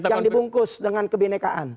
yang dibungkus dengan kebenekaan